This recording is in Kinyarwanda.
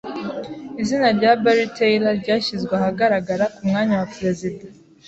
Izina rya Barry Taylor ryashyizwe ahagaragara ku mwanya wa perezida.